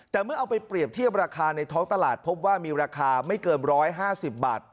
แต่เมื่อเอาไปเปรียบเทียบราคาในท้องตลาดพบว่ามีราคาไม่เกิน๑๕๐บาท